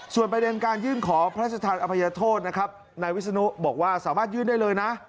ส่วนประเด็นการยื่นขอพระราชทานอภัยโทษนะครับนายวิศนุบอกว่าสามารถยื่นได้เลยนะ